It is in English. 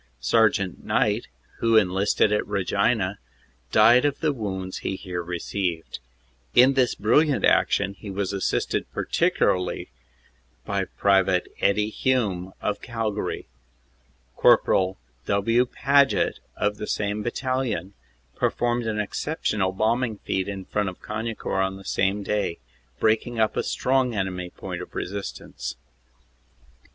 Sergt. Knight, who enlisted at Regina, died ot the wounds he here received. In this brilliant action he was assisted partic ularly by Pte. Eddie Hume, of Calgary. Corp. W. Paget, of the same battalion, performed an exceptional bombing feat in front of Cagnicourt on the same day, breaking up a strong enemy point of resistance.